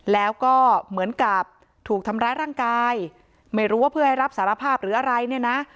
แล้วก็เหมือนกับถูกทำร้ายร่างกายไม่รู้ว่าเพื่อให้รับสารภาพหรืออะไรเนี่ยนะ